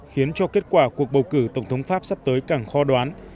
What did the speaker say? khiến cho kết quả cuộc bầu cử tổng thống pháp sắp tới càng khó đoán